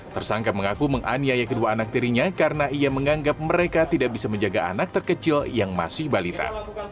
tersangka mengaku menganiaya kedua anak tirinya karena ia menganggap mereka tidak bisa menjaga anak terkecil yang masih balita